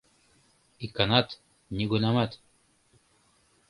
Иканат, нигунамат